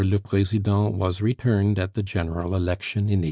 le President was returned at the general election in 1846.